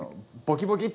ボキボキ